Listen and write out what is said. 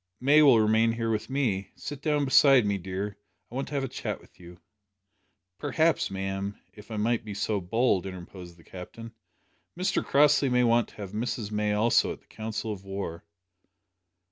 May will remain here with me. Sit down beside me, dear, I want to have a chat with you." "Perhaps, ma'am, if I make so bold," interposed the Captain, "Mr Crossley may want to have Miss May also at the council of war."